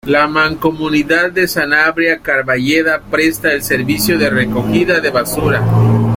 La Mancomunidad de Sanabria-Carballeda presta el servicio de recogida de basura.